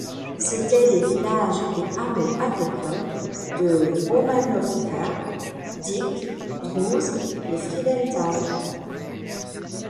C'étaient les villages et hameaux agricoles de Romanovka, Dik, Drews et Friedenthal.